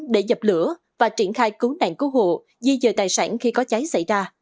để dập lửa và triển khai cứu nạn cứu hộ di dời tài sản khi có cháy xảy ra